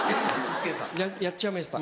やっちゃいました。